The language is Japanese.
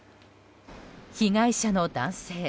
被害者の男性。